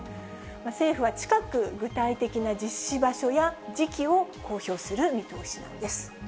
政府は近く、具体的な実施場所や時期を公表する見通しなんです。